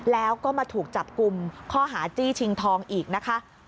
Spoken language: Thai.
แล้วก็มาถูกจับกลุ่มข้อหาจี้ชิงทองอีกนะคะ